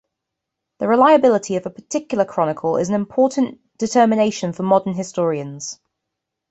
The reliability of a particular chronicle is an important determination for modern historians.